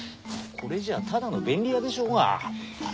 これじゃただの便利屋でしょうが。